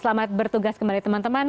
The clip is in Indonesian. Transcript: selamat bertugas kembali teman teman